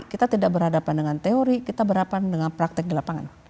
kita tidak berhadapan dengan teori kita berhadapan dengan praktek di lapangan